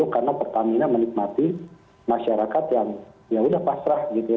karena pertamina menikmati masyarakat yang ya udah pasrah gitu ya